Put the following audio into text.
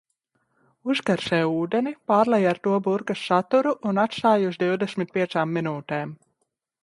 Uzkarsē ūdeni, pārlej ar to burkas saturu un atstāj uz divdesmit piecām minūtēm.